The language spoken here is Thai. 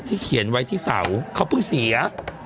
เขียนไว้ที่เสาเขาเพิ่งเสีย